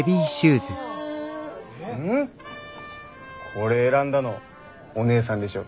これ選んだのお義姉さんでしょ？